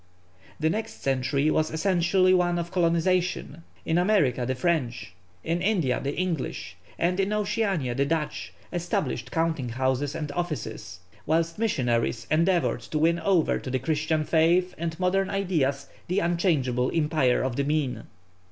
The next century was essentially one of colonization. In America the French, in India the English, and in Oceania the Dutch established counting houses and offices, whilst missionaries endeavoured to win over to the Christian faith and modern ideas the unchangeable "Empire of the Mean."